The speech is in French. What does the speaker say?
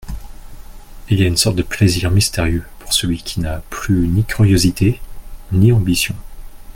Il y a une sorte de plaisir mystérieux pour celui qui n’a plus ni curiosité ni ambition.